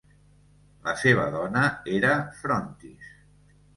La seva dona era Frontis.